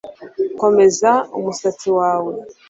Komeza umusatsi wawe